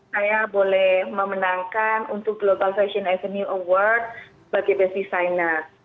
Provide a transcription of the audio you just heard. saya boleh memenangkan untuk global fashion avenue award bagi best designer